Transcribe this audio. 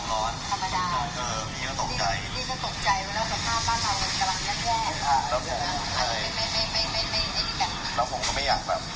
แล้วผมก็ไม่อยากแบบ